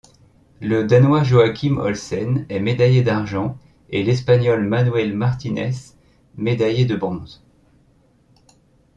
Le Danois Joachim Olsen est médaillé d'argent et l'Espagnol Manuel Martínez médaillé de bronze.